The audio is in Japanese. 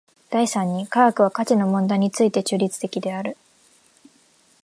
第三に科学は価値の問題について中立的である。